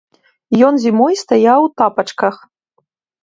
Ён зімой стаяў у тапачках!